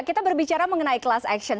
kita berbicara mengenai kelas action